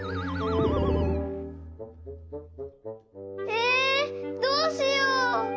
えどうしよう！